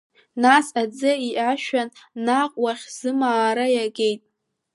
Нас аӡы иашәан наҟ уахьзымаара иагеит.